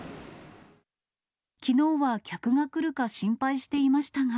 きのうは客が来るか心配していましたが。